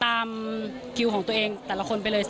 คิวของตัวเองแต่ละคนไปเลย